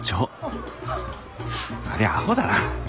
ありゃアホだな。